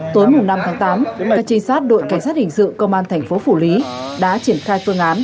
tối năm tháng tám các trinh sát đội cảnh sát hình sự công an tp cn đã triển khai phương án